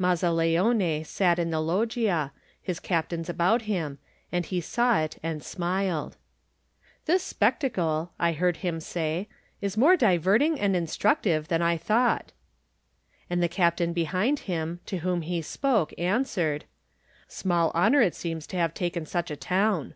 Mazzaleone sat in the loggia^ his captains about him, and he saw it and smiled. "This spectacle," I heard him say, "is more diverting and instructive than I thought." And the captain behind him, to whom he spoke, answered: "Small honor it seems to have taken such a town."